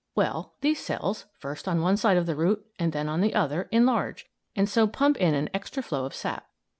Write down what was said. Well, these cells, first on one side of the root and then the other, enlarge, and so pump in an extra flow of sap.